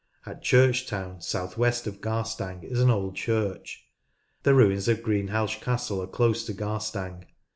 At Churchtown, south west ot Garstang, is an old church. The ruins of Greenhalgh Castle are close to Garstang.